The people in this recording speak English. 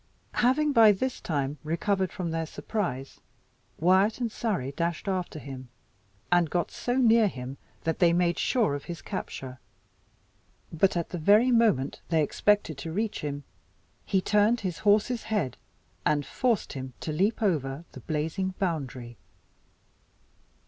Having by this time recovered from their surprise, Wyat and Surrey dashed after him, and got so near him that they made sure of his capture. But at the very moment they expected to reach him, he turned his horse's head, and forced him to leap over the blazing boundary.